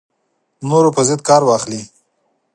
نورو پر ضد کار واخلي